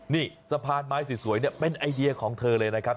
นี่สะพานไม้สวยเนี่ยเป็นไอเดียของเธอเลยนะครับ